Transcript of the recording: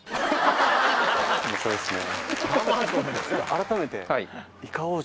改めて。